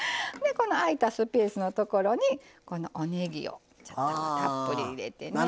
この空いたスペースのところにこのおねぎをたっぷり入れてね。